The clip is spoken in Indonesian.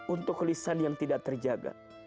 untuk lisan yang tidak terjaga